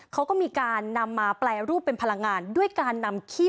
เขาก็มีการนำมาแปลรูปเป็นพลังงาน